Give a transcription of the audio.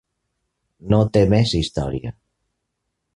No té més història.